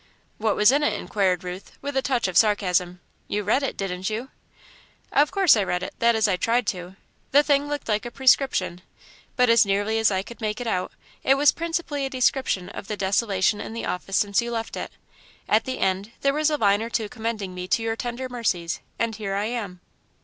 "What was in it?" inquired Ruth, with a touch of sarcasm. "You read it, didn't you?" "Of course I read it that is, I tried to. The thing looked like a prescription, but, as nearly as I could make it out, it was principally a description of the desolation in the office since you left it. At the end there was a line or two commending me to your tender mercies, and here I am."